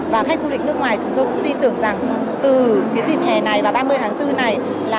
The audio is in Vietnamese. và khách du lịch nước ngoài chúng tôi cũng tin tưởng rằng từ dịp hè này và ba mươi tháng bốn này